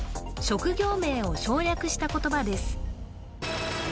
３職業名を省略した言葉です